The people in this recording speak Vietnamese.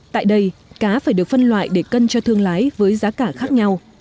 tại đây cá phải được phân loại để cân cho thương lái với giá cả khác nhau